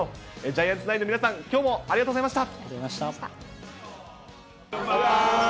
ジャイアンツナインの皆さん、ありがとうございました。